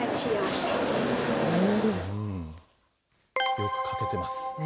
よく書けてます。